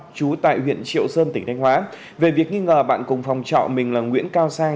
chú tại huyện triệu sơn tỉnh thanh hóa về việc nghi ngờ bạn cùng phòng trọ mình là nguyễn cao sang